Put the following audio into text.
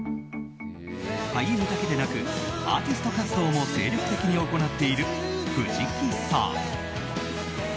俳優だけでなくアーティスト活動も精力的に行っている藤木さん。